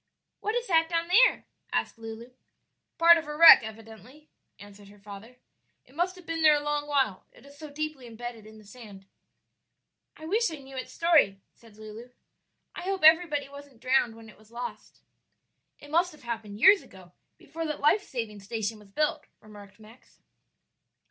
"What is that down there?" asked Lulu. "Part of a wreck, evidently," answered her father; "it must have been there a long while, it is so deeply imbedded in the sand." "I wish I knew its story," said Lulu; "I hope everybody wasn't drowned when it was lost." "It must have happened years ago, before that life saving station was built," remarked Max.